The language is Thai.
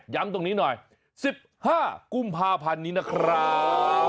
ตรงนี้หน่อย๑๕กุมภาพันธ์นี้นะครับ